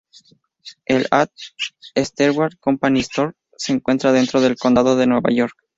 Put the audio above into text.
El A. T. Stewart Company Store se encuentra dentro del condado de Nueva York.